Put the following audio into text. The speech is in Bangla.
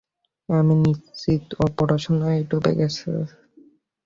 আমি নিশ্চিত ও পড়াশোনায় ডুবে আছে!